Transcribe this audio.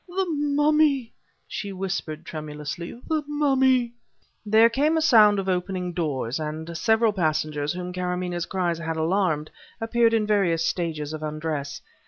"The mummy!" she whispered tremulously "the mummy!" There came a sound of opening doors, and several passengers, whom Karamaneh cries had alarmed, appeared in various stages of undress.